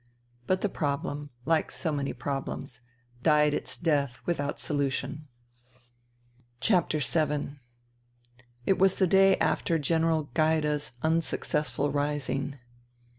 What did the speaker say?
" But the problem, like so many problems, died its death without solution. VII It was the day after General Gaida's unsuccessful rising.